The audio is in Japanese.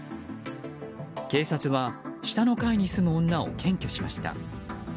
警察は下の階に住む女を検挙しました。